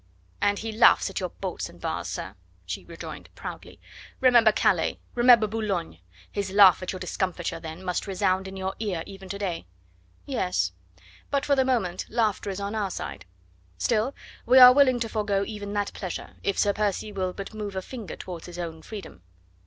"And he laughs at your bolts and bars, sir," she rejoined proudly. "Remember Calais, remember Boulogne. His laugh at your discomfiture, then, must resound in your ear even to day." "Yes; but for the moment laughter is on our side. Still we are willing to forego even that pleasure, if Sir Percy will but move a finger towards his own freedom."